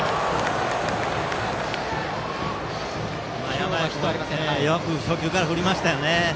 山家君はよく初球から振りましたね。